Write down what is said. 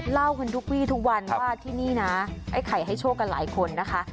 เล่ากันทุกวีทุกวันว่าที่นี่นะไอ้ไข่ให้โชคกันหลายคนนะคะ